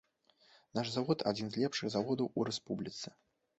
Наш завод адзін з лепшых заводаў ў рэспубліцы.